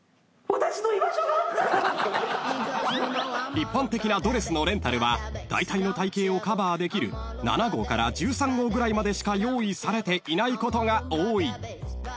［一般的なドレスのレンタルはだいたいの体形をカバーできる７号から１３号ぐらいまでしか用意されていないことが多い］